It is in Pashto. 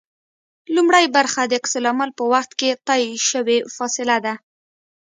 لومړۍ برخه د عکس العمل په وخت کې طی شوې فاصله ده